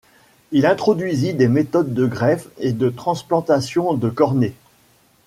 Il introduisit des méthodes de greffes et de transplantation de cornée.